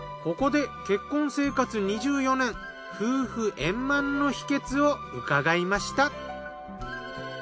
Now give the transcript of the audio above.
ここで結婚生活２４年夫婦円満の秘訣を伺いました。